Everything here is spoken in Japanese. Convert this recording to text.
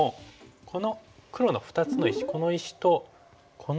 この黒の２つの石この石とこの石。